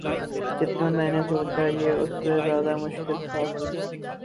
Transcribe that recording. جتنا میں نے سوچا یہ اس سے زیادہ مشکل تھا